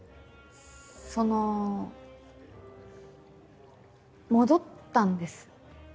その戻ったんです。